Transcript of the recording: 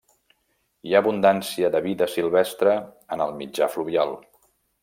Hi ha abundància de vida silvestre en el mitjà fluvial.